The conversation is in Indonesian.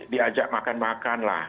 diajak makan makan lah